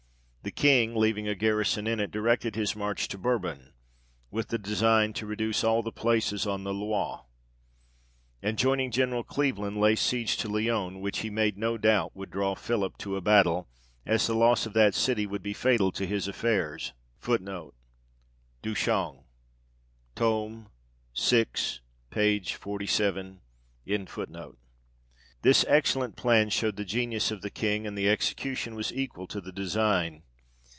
The King leaving a garrison in it, directed his march to Bourbon, with design to reduce all the places on the Loire ; and joining General Cleveland, lay siege to Lyons, which he made no doubt would draw Philip to a battle, as the loss of that city would be fatal to his affairs. 1 This excellent plan showed the genius of the King, and the execution was equal to the design.